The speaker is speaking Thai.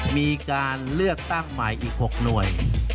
มีการเลือกตั้งใหม่อีก๖หน่วย